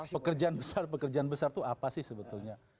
pekerjaan besar pekerjaan besar itu apa sih sebetulnya